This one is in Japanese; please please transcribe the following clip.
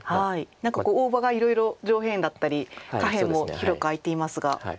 何か大場がいろいろ上辺だったり下辺も広く空いていますが。